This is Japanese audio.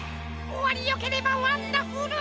おわりよければワンダフル！